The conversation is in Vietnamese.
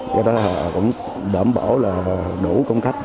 cho đó cũng đẩm bảo là đủ công khách